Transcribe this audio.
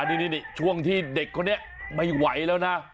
นี่ช่วงที่เด็กคนนี้ไม่ไหวแล้วนะ